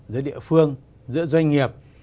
giữa địa phương giữa doanh nghiệp